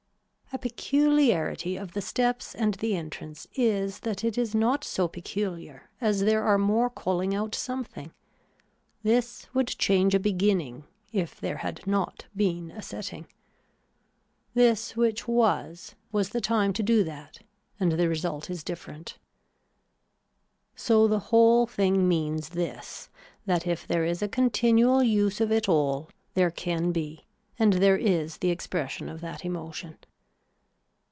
A peculiarity of the steps and the entrance is that it is not so peculiar as there are more calling out something. This would change a beginning if there had not been a setting. This which was was the time to do that and the result is different. So the whole thing means this that if there is a continual use of it all there can be and there is the expression of that emotion.